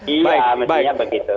iya mestinya begitu